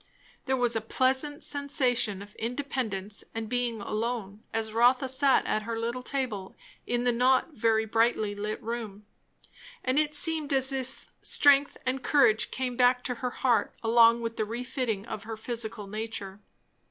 There was a pleasant sensation of independence and being alone, as Rotha sat at her little table in the not very brightly lit room; and it seemed as if strength and courage came back to her heart along with the refitting of her physical nature.